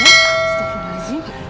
pak firman pak firman